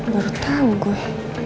baru tahu gue